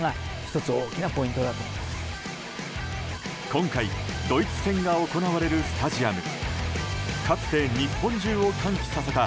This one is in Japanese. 今回、ドイツ戦が行われるスタジアム。